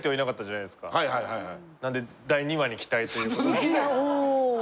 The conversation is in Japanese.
なんで第２話に期待ということで。